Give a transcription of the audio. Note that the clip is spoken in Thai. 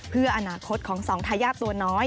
เพื่ออนาคตของสองทายาทตัวน้อย